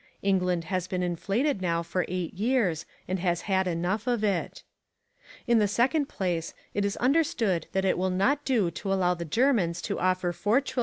England has been inflated now for eight years and has had enough of it. In the second place, it is understood that it will not do to allow the Germans to offer 4,218, 390,687,471 marks' worth of coal.